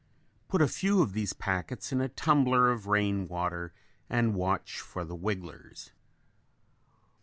Put a few of these packets in a tumbler of rain water and watch for the wigglers.